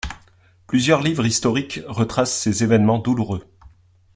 Plusieurs livres historiques retracent ces événements douloureux.